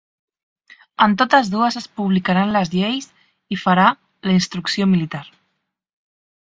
En totes dues es publicaran les lleis i es farà la instrucció militar.